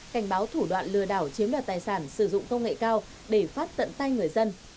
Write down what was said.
cảnh báo thủ đoạn lừa đảo chiếm đoạt tài sản sử dụng công nghệ cao để phát tận tay người dân